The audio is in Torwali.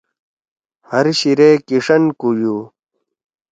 ہر شیرے کیݜین کُویُو؟